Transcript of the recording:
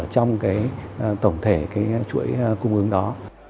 trong tổng thể chuỗi cung ứng đó